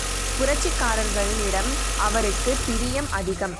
புரட்சிக்காரர்களிடம் அவருக்குப் பிரியம் அதிகம்.